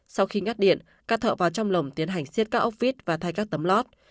sau khi ngắt điện các thợ vào trong lồng tiến hành xiết các ốc vít và thay các tấm lót